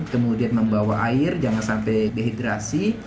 kemudian membawa air jangan sampai dehidrasi